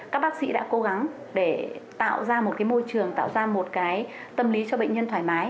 các bác sĩ đã cố gắng để tạo ra một môi trường tạo ra một cái tâm lý cho bệnh nhân thoải mái